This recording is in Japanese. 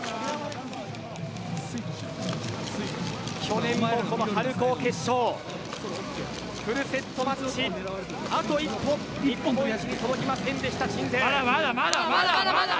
去年も、この春高決勝フルセットマッチあと一歩悔しく届きませんでした。